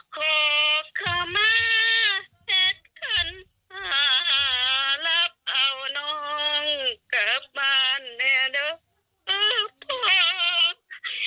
ขอขอมาเหตุขัญหารับเอาน้องกลับบ้านในด้วยพ่อ